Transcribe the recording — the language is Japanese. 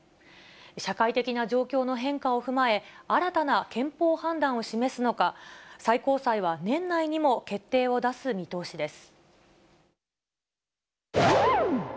社会的な状況の変化を踏まえ、新たな憲法判断を示すのか、最高裁は年内にも決定を出す見通しです。